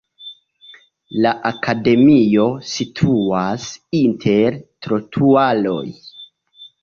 La akademio situas inter trotuaroj.